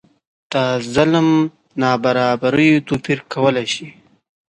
د ظلم نابرابریو توپیر کولای شي.